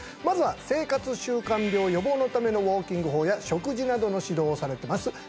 まずは生活習慣病予防のためのウォーキング法や食事などの指導をされてます